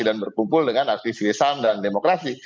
dan berkumpul dengan aktivis ham dan demokrasi